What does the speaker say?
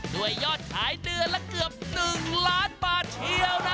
ด้วยยอดขายเดือนละเกือบ๑ล้านบาทเชียวนะ